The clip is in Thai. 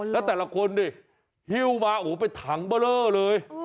แล้วแต่ละคนนี่หิ้วมาโอ้โฮไปถังเบลอเลย